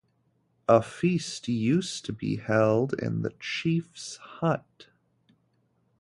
A feast used to be held in the chief's hut.